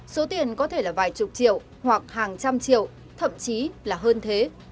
số tiền có thể là vài chục triệu hoặc hàng trăm triệu thậm chí là hơn thế